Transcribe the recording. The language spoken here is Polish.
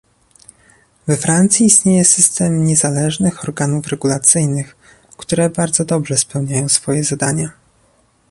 We Francji istnieje system niezależnych organów regulacyjnych, które bardzo dobrze spełniają swoje zadania